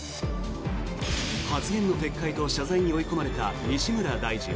発言の撤回と謝罪に追い込まれた西村大臣。